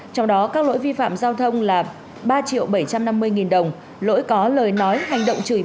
trong đó các lỗi vi phạm giao thông là ba triệu bảy trăm năm mươi nghìn đồng